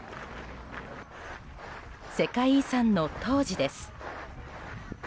世界遺産の東寺です。